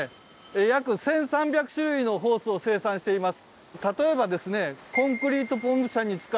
約１，３００種類のホースを生産しています。